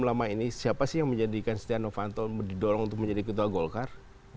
belum lama ini siapa sih yang menjadikan setia noh kanto didorong untuk menjadi ketua golkar